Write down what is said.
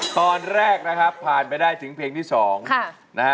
ตอนแรกนะครับผ่านไปได้ถึงเพลงที่๒นะฮะ